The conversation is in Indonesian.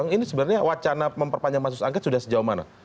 ini sebenarnya wacana memperpanjang pansus angket sudah sejauh mana